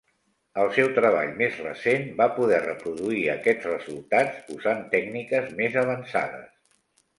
El seu treball més recent va poder reproduir aquests resultats usant tècniques més avançades.